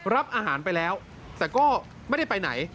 รับอาหารไปแล้วแต่ก็ไม่ได้ไปไหน